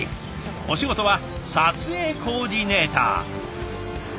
お仕事は撮影コーディネーター。